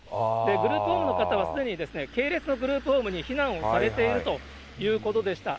グループホームの方はすでに系列のグループホームに避難をされてるということでした。